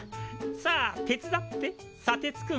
さあてつだってさてつくん。